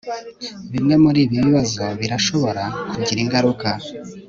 Bimwe muribi bibazo birashobora kugira ingaruka